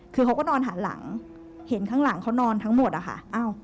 คือเขาก็นอนหันหลังเห็นข้างหลังเขานอนทั้งหมดอะค่ะ